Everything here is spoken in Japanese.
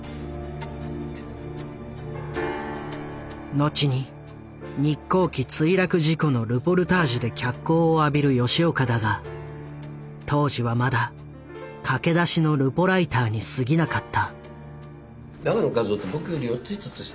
後に日航機墜落事故のルポルタージュで脚光を浴びる吉岡だが当時はまだ駆け出しのルポライターにすぎなかった。